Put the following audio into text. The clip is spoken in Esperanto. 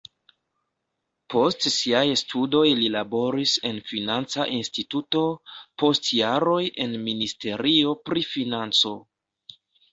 Post siaj studoj li laboris en financa instituto, post jaroj en ministerio pri financo.